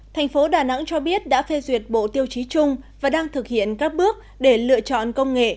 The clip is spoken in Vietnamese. thành phố đà nẵng cho biết đã phê duyệt bộ tiêu chí chung và đang thực hiện các bước để lựa chọn công nghệ